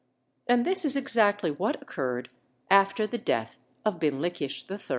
And this is exactly what occurred after the death of Binlikhish III.